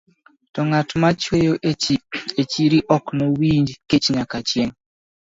To ng'at ma chwoyo e chiri ok nowinj kech nyaka chieng'.